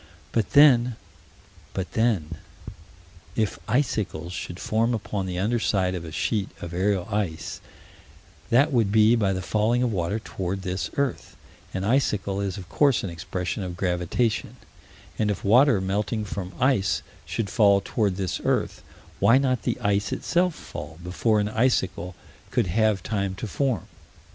But then but then if icicles should form upon the under side of a sheet of aerial ice, that would be by the falling of water toward this earth; an icicle is of course an expression of gravitation and, if water melting from ice should fall toward this earth, why not the ice itself fall before an icicle could have time to form?